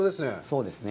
そうですね。